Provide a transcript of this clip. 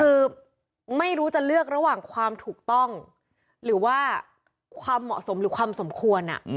คือไม่รู้จะเลือกระหว่างความถูกต้องหรือว่าความเหมาะสมหรือความสมควร